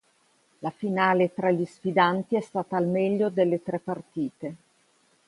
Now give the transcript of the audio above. La finale tra gli sfidanti è stata al meglio delle tre partite.